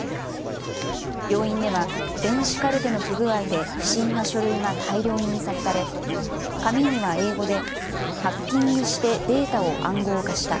病院では、電子カルテの不具合で不審な書類が大量に印刷され紙には英語でハッキングしてデータを暗号化した。